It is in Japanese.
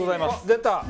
出た！